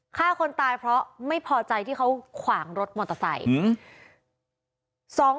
ฆ่าคนตายเพราะไม่พอใจที่เขาขวางรถมอเตอร์ไซค์